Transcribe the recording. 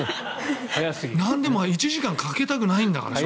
なんでも１時間かけたくないんです。